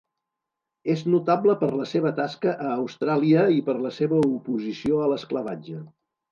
És notable per la seva tasca a Austràlia i per la seva oposició a l'esclavatge.